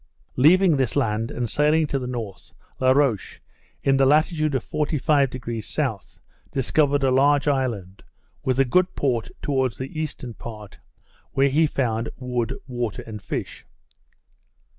Leaving this land, and sailing to the north, La Roche, in the latitude of 45° S., discovered a large island, with a good port towards the eastern part, where he found wood, water, and fish.